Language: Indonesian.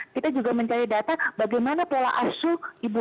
kita juga mencari data bagaimana pola asuh ibu